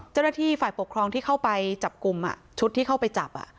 เจ้าหน้าที่ฝ่ายปกครองที่เข้าไปจับกลุ่มชุดที่เข้าไปจับ